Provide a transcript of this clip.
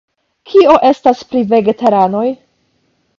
Kio estas pri vegetaranoj?